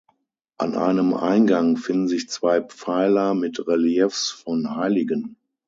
An einem Eingang finden sich zwei Pfeiler mit Reliefs von Heiligen.